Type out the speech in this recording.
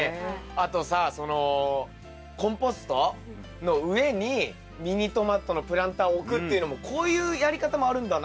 あとさそのコンポストの上にミニトマトのプランターを置くっていうのもこういうやり方もあるんだなっていうね。